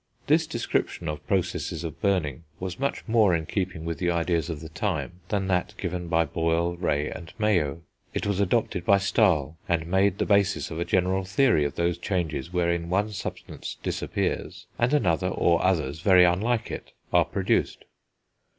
This description of processes of burning was much more in keeping with the ideas of the time than that given by Boyle, Rey and Mayow. It was adopted by Stahl, and made the basis of a general theory of those changes wherein one substance disappears and another, or others, very unlike it, are produced.